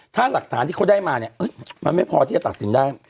ถ้าหลักฐานที่เขาได้มาเนี่ยมันไม่พอที่จะตัดสินได้